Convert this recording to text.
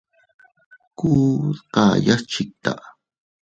Kuu dkayas chikta.